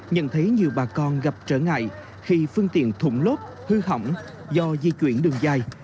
nhận thấy nhiều bà con gặp trở ngại khi phương tiện thụn lốp hư hỏng do di chuyển đường dài